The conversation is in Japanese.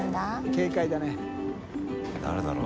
軽快だね。